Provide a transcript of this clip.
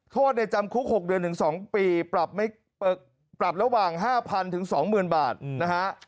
โทษในจำคุก๖เดือนถึง๒ปีปรับระหว่าง๕๐๐๐ถึง๒๐๐๐๐บาทนะครับ